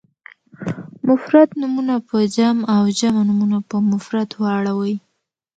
مفرد نومونه په جمع او جمع نومونه په مفرد واړوئ.